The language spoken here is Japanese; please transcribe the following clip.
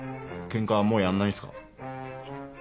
ケンカはもうやんないんすか？